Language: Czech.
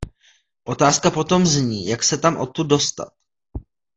Otázka potom zní, jak se tam odtud dostat.